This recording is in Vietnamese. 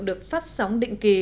được phát sóng định kỳ